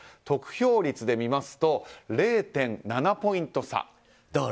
得票率で見ますと０．７ポイント差。